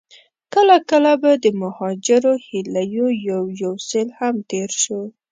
کله کله به د مهاجرو هيليو يو يو سيل هم تېر شو.